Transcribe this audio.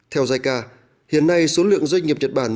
theo jica hiện nay số lượng doanh nghiệp nhật bản